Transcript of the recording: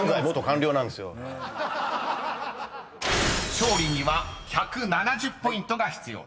［勝利には１７０ポイントが必要です］